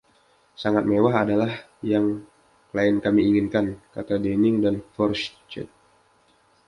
“Sangat mewah adalah yang klien kami inginkan,”kata Denning dan Fourcade.